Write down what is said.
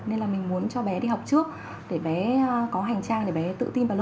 nên là mình muốn cho bé đi học trước để bé có hành trang để bé tự tin vào lớp